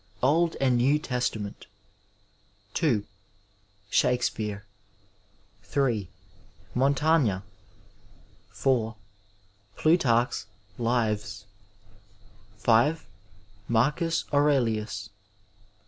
Old and New Testament. n. Shakespeare. III. Montaigne. ^ IV. Plutarch's Lives. ^ V. Marcus Aurelius.